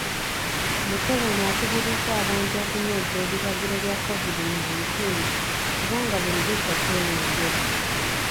Museveni akubirizza abantu okunyweza ebiragiro bya COVID nineteen kubanga buli lukya kyeyongera